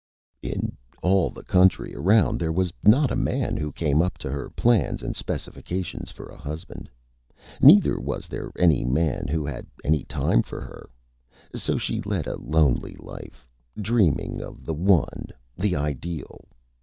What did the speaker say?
In all the Country around there was not a Man who came up to her Plans and Specifications for a Husband. Neither was there any Man who had any time for Her. So she led a lonely Life, dreaming of the One the Ideal.